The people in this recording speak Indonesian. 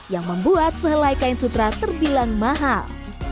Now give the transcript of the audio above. yang membuat sehelai kain sutra terbilang mahal